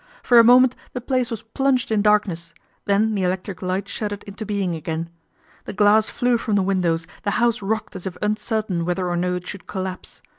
For a moment the place was plunged in darkness, then the electric light shuddered into being again. The glass flew from the windows, the house rocked as if uncertain whether or no it should collapse.